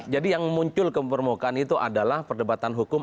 jadi yang muncul ke permukaan itu adalah perdebatan hukum